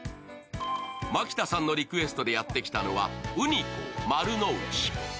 蒔田さんのリクエストでやってきたのは、ｕｎｉｃｏ丸の内。